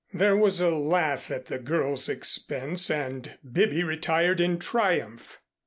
There was a laugh at the girl's expense and Bibby retired in triumph.